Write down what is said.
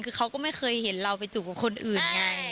คือเขาก็ไม่เคยเห็นเราไปจูบกับคนอื่นไง